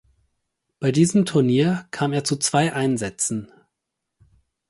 Bei diesem Turnier kam er zu zwei Einsätzen.